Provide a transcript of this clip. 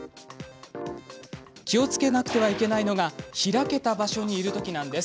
気をつけなくてはいけないのは開けた場所にいるときなんです。